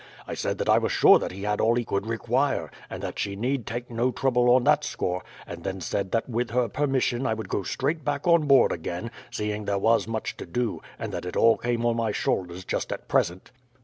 I said that I was sure he had all he could require, and that she need take no trouble on that score; and then said that with her permission I would go straight back on board again, seeing there was much to do, and that it all came on my shoulders just at present.